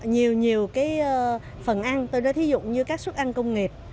nhiều nhiều cái phần ăn tôi đã thí dụng như các xuất ăn công nghiệp